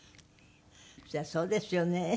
そりゃそうですよね。